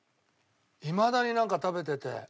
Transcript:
いまだになんか食べてて。